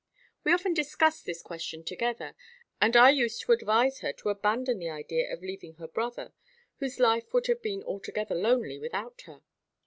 We often discussed this question together, and I used to advise her to abandon the idea of leaving her brother, whose life would have been altogether lonely without her.